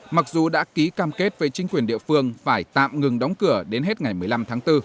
mặc dù đã ký cam kết với chính quyền địa phương phải tạm ngừng đóng cửa đến hết ngày một mươi năm tháng bốn